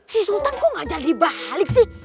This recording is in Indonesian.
si sultan kok gak jadi balik sih